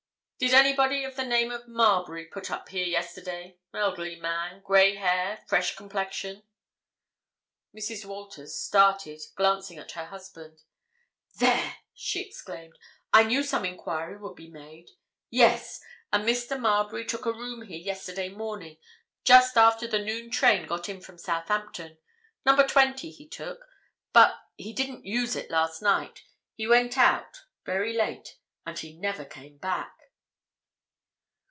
"Did anybody of the name of Marbury put up here yesterday—elderly man, grey hair, fresh complexion?" Mrs. Walters started, glancing at her husband. "There!" she exclaimed. "I knew some enquiry would be made. Yes—a Mr. Marbury took a room here yesterday morning, just after the noon train got in from Southampton. Number 20 he took. But—he didn't use it last night. He went out—very late—and he never came back."